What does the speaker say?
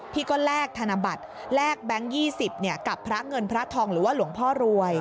พี่ก็แลกธนบัตรแลกแบงค์๒๐กับพระเงินพระทองหรือว่าหลวงพ่อรวย